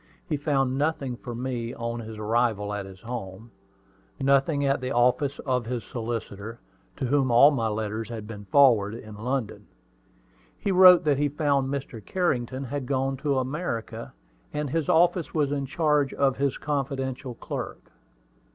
He found nothing from me on his arrival at his home, nothing at the office of his solicitor, to whom all my letters had been forwarded, in London. He wrote that he found Mr. Carrington had gone to America, and his office was in charge of his confidential clerk.